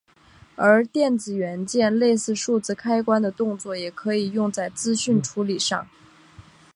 而电子元件类似数字开关的动作也可以用在资讯处理上。